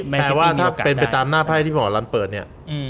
แปลว่าถ้าเป็นไปตามหน้าไพ่ที่หมอลำเปิดเนี่ย